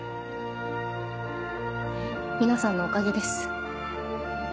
皆さんのおかげです。